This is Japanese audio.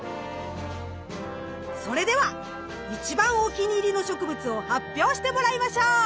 それでは一番お気に入りの植物を発表してもらいましょう！